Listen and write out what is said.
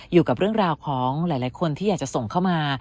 อยู่กับเรื่องราวของหลายคนที่อยากจะส่งเข้ามา